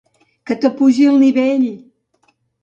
Que t'apugin el nivell!